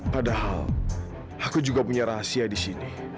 padahal aku juga punya rahasia di sini